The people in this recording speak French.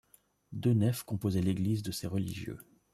Deux nefs composaient l'église de ces religieux.